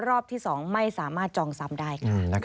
รอบที่๒ไม่สามารถจองซ้ำได้ค่ะ